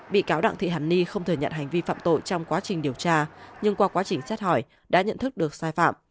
bị cáo đặng thị hàn ni không thừa nhận hành vi phạm tội trong quá trình điều tra nhưng qua quá trình xét hỏi đã nhận thức được sai phạm